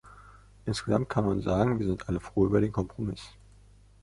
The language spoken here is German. Insgesamt kann man sagen, wir sind alle froh über den Kompromiss.